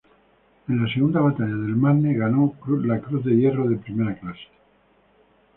En la segunda batalla del Marne, ganó la Cruz de Hierro de primera clase.